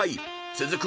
［続く